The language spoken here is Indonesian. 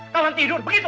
kawan tidur begitu